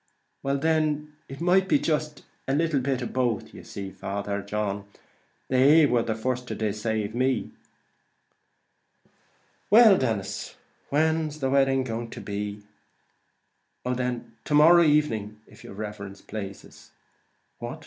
"Well then, it might be jist a little of both; but you see, Father John, they war the first to decave me." "Well, Denis, and when's the wedding to be?" "Oh then, to morrow evening, if yer riverence plazes." "What!